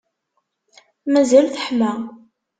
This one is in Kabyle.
Mazal teḥma.